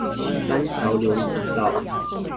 三條崙古道